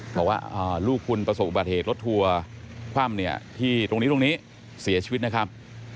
บอกว่าลูกคุณประสบอุบัติเหตุรถัวความที่ตรงนี้เสียชีวิตนะครับ